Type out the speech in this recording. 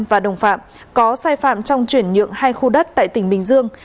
và đồng phạm có sai phạm trong chuyển nhượng hai khu đất tại tỉnh bình dương